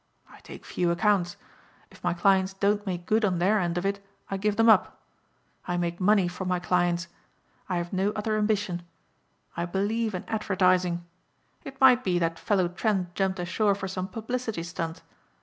I take few accounts. If my clients don't make good on their end of it I give them up. I make money for my clients. I have no other ambition. I believe in advertising. It might be that fellow Trent jumped ashore for some publicity stunt.